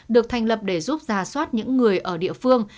được thành lập để giúp giả soát những người ở địa phương